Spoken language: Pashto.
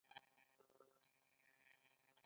داسې ټوک ټوک تال ول